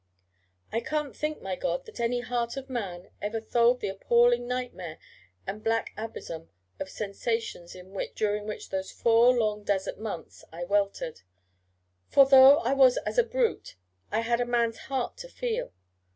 I can't think, my God, that any heart of man ever tholed the appalling nightmare and black abysm of sensations in which, during those four long desert months, I weltered: for though I was as a brute, I had a man's heart to feel.